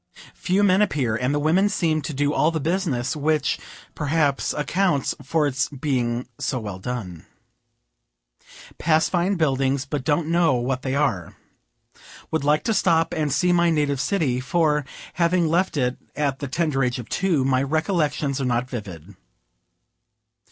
Few men appear, and the women seem to do the business, which, perhaps, accounts for its being so well done. Pass fine buildings, but don't know what they are. Would like to stop and see my native city; for, having left it at the tender age of two, my recollections are not vivid.